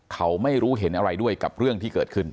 เขาไม่รู้เห็นอะไรด้วยกับเรื่องที่เกิดขึ้น